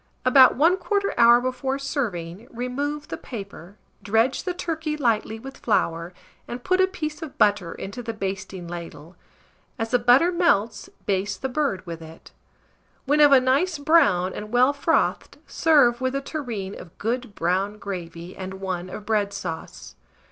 About 1/4 hour before serving, remove the paper, dredge the turkey lightly with flour, and put a piece of butter into the basting ladle; as the butter melts, baste the bird with it. When of a nice brown and well frothed, serve with a tureen of good brown gravy and one of bread sauce.